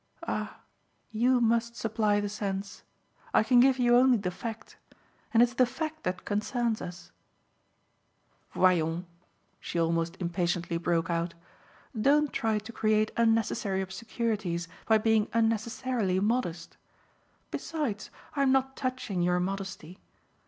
"Ah you must supply the sense; I can give you only the fact and it's the fact that concerns us. Voyons" she almost impatiently broke out; "don't try to create unnecessary obscurities by being unnecessarily modest. Besides, I'm not touching your modesty.